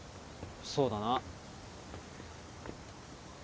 そうだな。